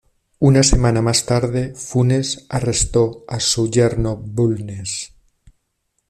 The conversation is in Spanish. Una semana más tarde, Funes arrestó a su yerno Bulnes.